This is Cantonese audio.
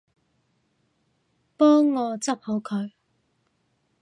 幫我執好佢